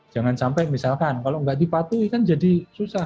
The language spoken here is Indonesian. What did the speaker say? jangan sampai misalkan kalau nggak dipatuhi kan jadi susah